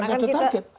tidak ada target